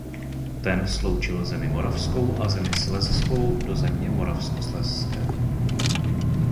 Ten sloučil zemi Moravskou a zemi Slezskou do země Moravskoslezské.